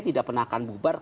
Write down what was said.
tidak akan bubar